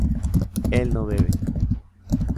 ¿él no bebe?